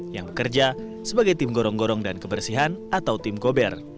yang bekerja sebagai tim gorong gorong dan kebersihan atau tim gober